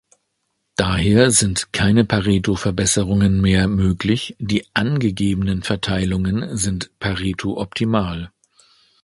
Daher sind keine Pareto-Verbesserungen mehr möglich, die angegebenen Verteilungen sind pareto-optimal.